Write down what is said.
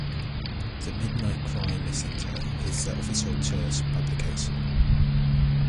"The Midnight Cry Messenger" is the official church publication.